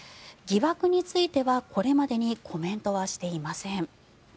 疑惑については、これまでにコメントはしていません。